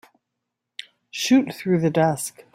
Shoot through the desk.